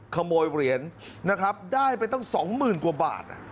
ขโมยเหรียญนะครับได้ไปตั้ง๒๐๐๐กว่าบาท